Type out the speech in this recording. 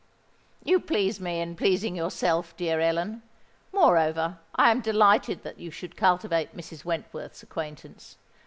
"You please me in pleasing yourself, dear Ellen. Moreover, I am delighted that you should cultivate Mrs. Wentworth's acquaintance.